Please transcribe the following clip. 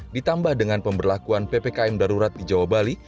ditambah dengan pemberlakuan ppkm darurat di jawa bali